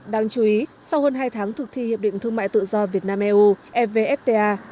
đáng chú ý sau hơn hai tháng thực thi hiệp định thương mại tự do việt nam eu evfta